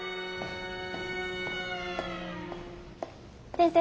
先生